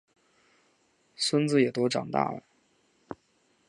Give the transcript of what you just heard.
孙子也都大了